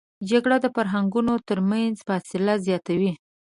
جګړه د فرهنګونو تر منځ فاصله زیاتوي